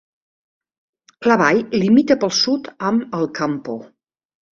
La vall limita pel sud amb el Campo.